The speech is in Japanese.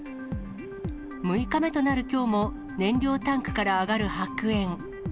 ６日目となるきょうも、燃料タンクから上がる白煙。